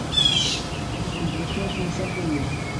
As comparacións son sempre odiosas.